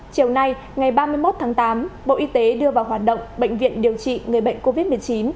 chiều nay ngày ba mươi một tháng tám bộ y tế đưa vào hoạt động bệnh viện điều trị người bệnh covid một mươi chín